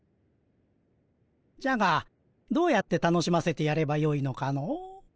じゃがどうやって楽しませてやればよいのかの。